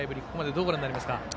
ここまでどうご覧になりますか？